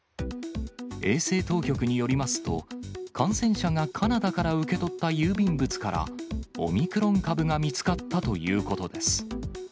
衛生当局によりますと、感染者がカナダから受け取った郵便物からオミクロン株が見つかったということです。